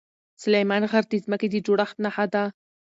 سلیمان غر د ځمکې د جوړښت نښه ده.